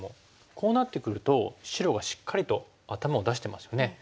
こうなってくると白がしっかりと頭を出してますよね。